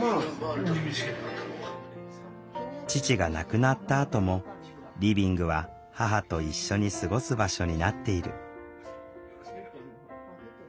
父が亡くなったあともリビングは母と一緒に過ごす場所になっている。